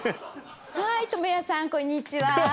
はい倫也さんこんにちは。